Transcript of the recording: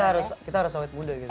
jadi kita harus awet muda gitu